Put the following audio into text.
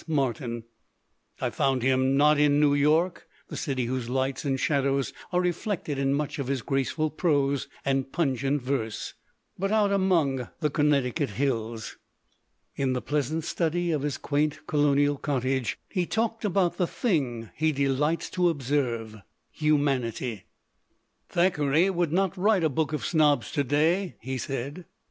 Martin. I found him not in New York, the city whose lights and shadows are reflected in much of his graceful prose and pun gent verse, but out among the Connecticut hills. In the pleasant study of his quaint Colonial cottage he talked about the thing he delights to observe humanity. "Thackeray would not write a Book of Snobs to day," he said.